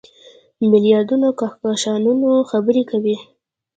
میلیاردونو کهکشانونو خبرې کوي.